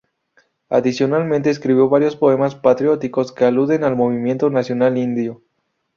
Adicionalmente, escribió varios poemas patrióticos que aluden al Movimiento Nacional Indio.